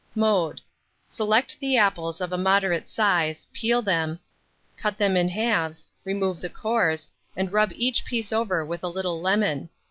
] Mode. Select the apples of a moderate size, peel them, cut them in halves, remove the cores, and rub each piece over with a little lemon.